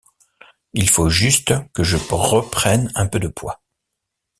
Il faut juste que je reprenne un peu de poids.